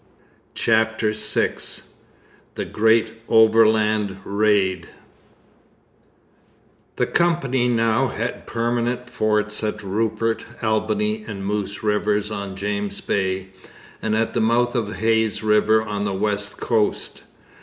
CHAPTER VI THE GREAT OVERLAND RAID The Company now had permanent forts at Rupert, Albany, and Moose rivers on James Bay, and at the mouth of the Hayes river on the west coast.